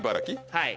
はい。